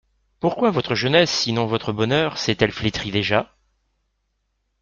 Pourquoi votre jeunesse, sinon votre bonheur, s'est-elle flétrie déjà?